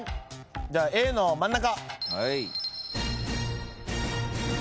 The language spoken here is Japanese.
じゃあＡの真ん中。